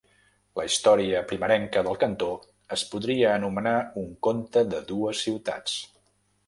La història primerenca del cantó es podria anomenar un conte de dues ciutats.